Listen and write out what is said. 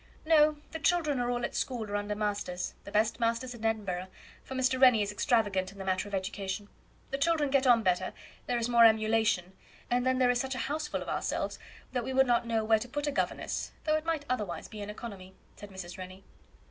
"No; the children are all at school or under masters the best masters in Edinburgh for Mr. Rennie is extravagant in the matter of education. The children get on better there is more emulation; and then there is such a houseful of ourselves, that we would not know where to put a governess, though it might otherwise be an economy," said Mrs. Rennie.